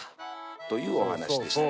というお話でしたね。